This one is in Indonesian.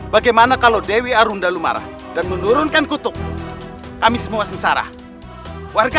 bagaimana kalau dewi arundalu marah dan menurunkan kutub kami semua sengsara warga